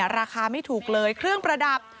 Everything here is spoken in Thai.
ราคาไม่ถูกเลยเครื่องประดับ